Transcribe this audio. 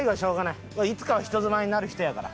いつかは人妻になる人やから。